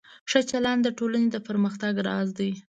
ښه چلند د ټولنې د پرمختګ راز دی.